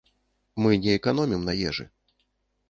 Мы не эканомім на ежы.